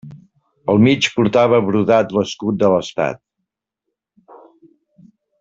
Al mig portava brodat l'escut de l'estat.